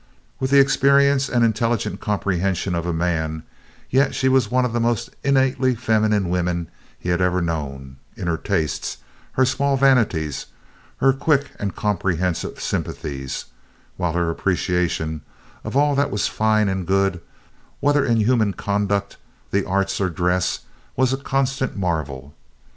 With the experience and intelligent comprehension of a man, she yet was one of the most innately feminine women he had ever known in her tastes, her small vanities, her quick and comprehensive sympathies; while her appreciation of all that was fine and good, whether in human conduct, the arts, or dress, was a constant marvel.